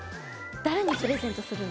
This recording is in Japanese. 誰にプレゼントするの？